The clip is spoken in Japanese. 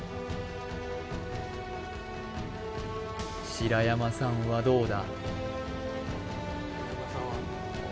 白山さんはどうだ？